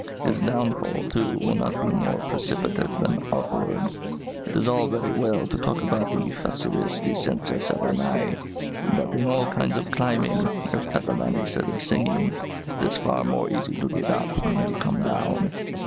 His downfall, too, will not be more precipitate than awkward. It is all very well to talk about the facilis descensus Averni; but in all kinds of climbing, as Catalani said of singing, it is far more easy to get up than to come down.